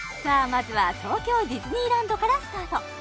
まずは東京ディズニーランドからスタート